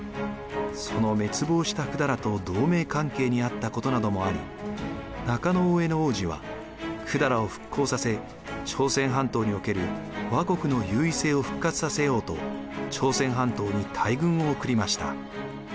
その滅亡した百済と同盟関係にあったことなどもあり中大兄皇子は百済を復興させ朝鮮半島における倭国の優位性を復活させようと朝鮮半島に大軍を送りました。